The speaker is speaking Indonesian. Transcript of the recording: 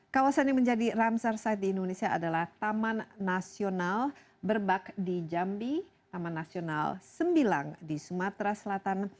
kawasan yang menjadi ramsar site di indonesia adalah taman nasional berbak di jambi taman nasional sembilan di sumatera selatan